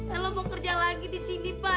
halo mau kerja lagi di sini pak